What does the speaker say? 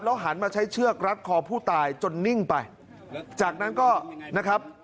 หันมาใช้เชือกรัดคอผู้ตายจนนิ่งไปจากนั้นก็นะครับ